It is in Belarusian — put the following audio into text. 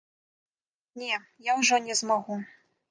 Не, я ўжо не змагу.